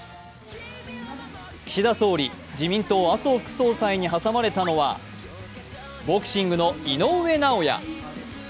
岸田総理、自民党・麻生副総裁に挟まれたのはボクシングの井上尚弥。